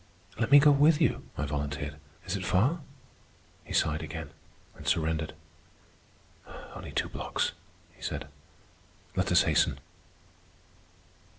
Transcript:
"Let me go with you," I volunteered. "Is it far?" He sighed again, and surrendered. "Only two blocks," he said. "Let us hasten."